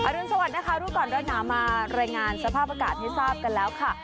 อรุณสวัสดิ์นะคะรูปกรณ์ด้านหน้ามารายงานสภาพอากาศที่ทราบกันแล้วค่ะ